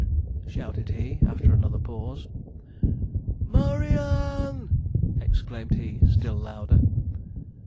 shouted he, after another pause. 'MURRY ANN!' exclaimed he, still louder.